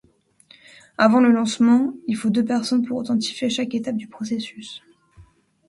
Avant le lancement, il faut deux personnes pour authentifier chaque étape du processus.